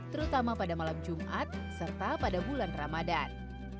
terutama pada malam jumat serta pada bulan ramadan